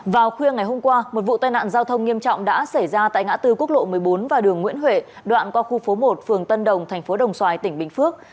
vào khuya ngày hôm qua một vụ tai nạn giao thông nghiêm trọng đã xảy ra tại ngã tư quốc lộ một mươi bốn và đường nguyễn huệ đoạn qua khu phố một phường tân đồng thành phố đồng xoài tỉnh bình phước